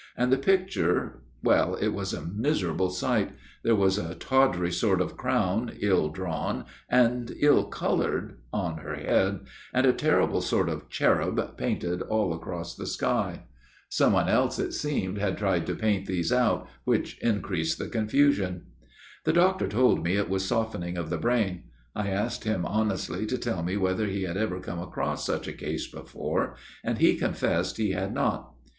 And the picture well, it was a miserable sight there was a tawdry sort of crown, ill drawn and ill coloured on her head, and a terrible sort of cherub painted all across the sky. Someone else, 86 A MIRROR OF SHALOTT it seemed, had tried to paint these out, which increased the confusion. " The doctor told me it was softening of the brain. I asked him honestly to tell me whether he had ever come across such a case before, and he confessed he had not.